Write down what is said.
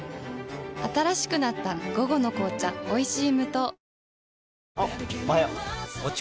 新しくなった「午後の紅茶おいしい無糖」